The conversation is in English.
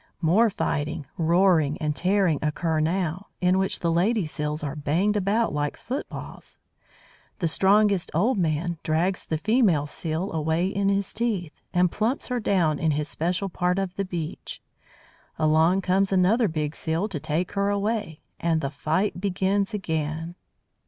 More fighting, roaring and tearing occur now, in which the lady Seals are banged about like footballs. The strongest "old man" drags the female Seal away in his teeth, and plumps her down in his special part of the beach. Along comes another big Seal to take her away, and the fight begins again.